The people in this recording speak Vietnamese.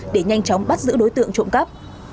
để nhanh chóng bắt giữ đối tượng trộm cắp